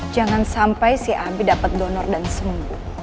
jangan sampai si abi dapat donor dan sembuh